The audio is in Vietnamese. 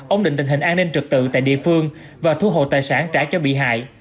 ổn định tình hình an ninh trực tự tại địa phương và thu hồi tài sản trả cho bị hại